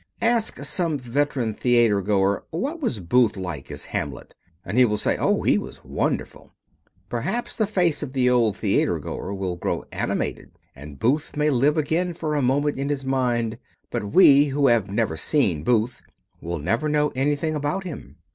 Ask some veteran theatergoer "What was Booth like as Hamlet?" and he will say "Oh, he was wonderful." Perhaps the face of the old theatergoer will grow animated and Booth may live again for a moment in his mind, but we who have never seen Booth will never know anything about him.